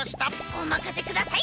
おまかせください！